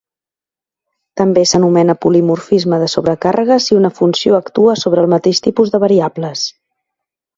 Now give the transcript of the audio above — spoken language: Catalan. També s'anomena polimorfisme de sobrecàrrega si una funció actua sobre el mateix tipus de variables.